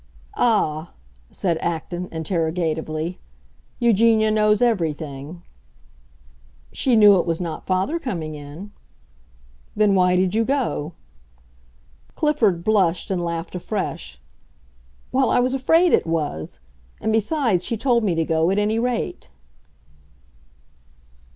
"Ah," said Acton, interrogatively, "Eugenia knows everything?" "She knew it was not father coming in." "Then why did you go?" Clifford blushed and laughed afresh. "Well, I was afraid it was. And besides, she told me to go, at any rate."